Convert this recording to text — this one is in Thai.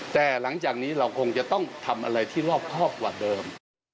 แต่หลังจากนี้เราคงจะต้องทำอะไรที่รอบครอบกว่าเดิม